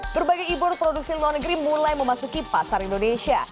berbagai ebor produksi luar negeri mulai memasuki pasar indonesia